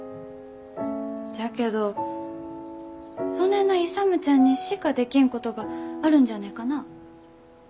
じゃけどそねえな勇ちゃんにしかできんことがあるんじゃねえかなあ。